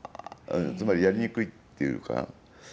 つまり、やりにくいっていうか。